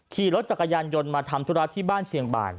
ขี่รถจักรยานยนต์มาทำธุระที่บ้านเชียงบาน